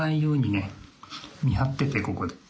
見張っててここで。